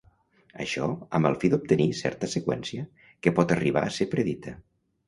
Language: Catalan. Això, amb el fi d'obtenir certa seqüència que pot arribar a ser predita.